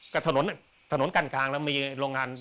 กับถนนกลางแล้วมีโรงงาน